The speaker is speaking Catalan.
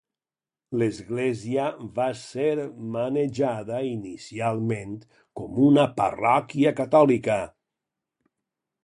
L'església va ser manejada inicialment com una parròquia catòlica.